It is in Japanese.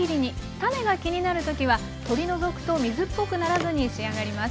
種が気になる時は取り除くと水っぽくならずに仕上がります。